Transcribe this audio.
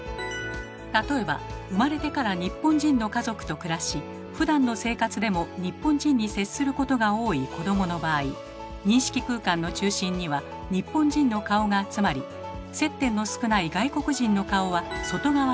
例えば生まれてから日本人の家族と暮らしふだんの生活でも日本人に接することが多い子供の場合認識空間の中心には日本人の顔が集まり接点の少ない外国人の顔は外側に分布。